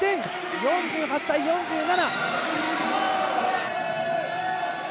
４８対４７！